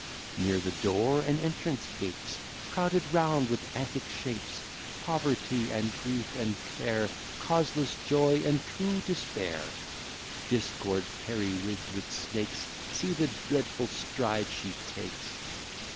Near the door an entrance gapes, Crowded round with antic shapes, Poverty, and Grief, and Care, Causeless Joy, and true Despair; Discord periwigg'd with snakes,' See the dreadful strides she takes!